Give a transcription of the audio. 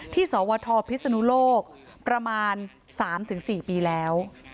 สวทพิศนุโลกประมาณ๓๔ปีแล้ว